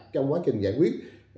trong quá trình giải quyết